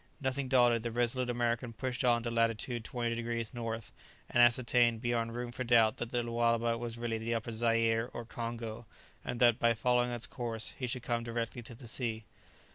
Nothing daunted, the resolute American pushed on to lat. 20° N. and ascertained, beyond room for doubt, that the Lualaba was really the Upper Zaire or Congo, and that, by following its course, he should come directly to the sea.